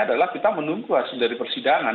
adalah kita menunggu hasil dari persidangan